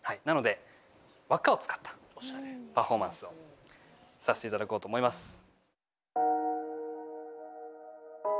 なのでわっかを使ったパフォーマンスをさせていただこうと思います。